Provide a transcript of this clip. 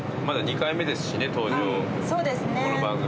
まだ２回目ですしね登場。